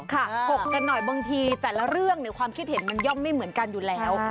ถกกันหน่อยบางทีแต่ละเรื่องความคิดเห็นมันย่อมไม่เหมือนกันอยู่แล้ว